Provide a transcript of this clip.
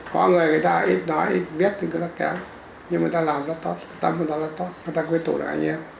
có người người ta ít nói ít viết thì người ta kém nhưng người ta làm rất tốt tâm người ta rất tốt người ta quyết tụ được anh em